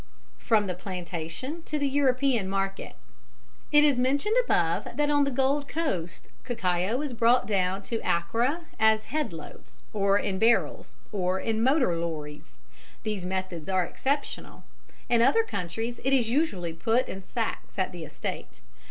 From the Plantation to the European Market. It is mentioned above that on the Gold Coast cacao is brought down to Accra as head loads, or in barrels, or in motor lorries. These methods are exceptional; in other countries it is usually put in sacks at the estate.